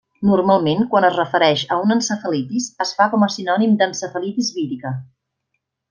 Normalment quan es refereix a una encefalitis, es fa com a sinònim d'encefalitis vírica.